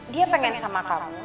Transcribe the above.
dia pengen sama kamu